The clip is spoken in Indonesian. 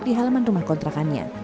di halaman rumah kontrakannya